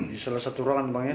di salah satu ruangan bang ya